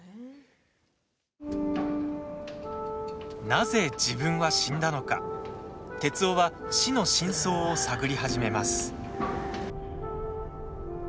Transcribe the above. なぜ自分は死んだのか徹生は死の真相を探り始めます。